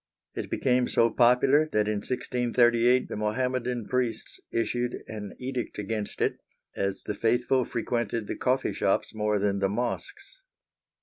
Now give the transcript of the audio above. It became so popular that in 1638 the Mohammedan priests issued an edict against it, as the faithful frequented the coffee shops more than the mosques.